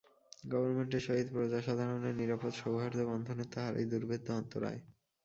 গবর্মেণ্টের সহিত প্রজাসাধারণের নিরাপদ সৌহার্দবন্ধনের তাহারাই দুর্ভেদ্য অন্তরায়।